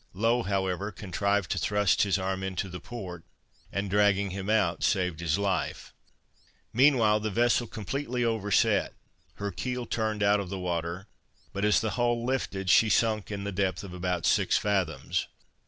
Low, however, contrived to thrust his arm into the port, and dragging him out, saved his life. Meanwhile, the vessel completely overset. Her keel turned out of the water; but as the hull filled, she sunk, in the depth of about six fathoms.